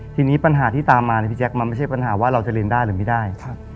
ทีนี้ปัญหาที่ตามมาเนี่ยพี่แจ๊คมันไม่ใช่ปัญหาว่าเราจะเรียนได้หรือไม่ได้